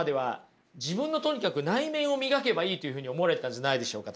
自分のとにかく内面を磨けばいいというふうに思われてたんじゃないでしょうか？